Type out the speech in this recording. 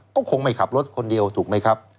ก็คงไม่ขับรถคนเดียวถูกไหมครับ